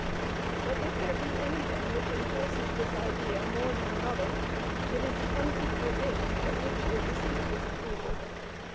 But, if there be anything which enforces this idea more than another, it is the unequal dates at which it received this approval.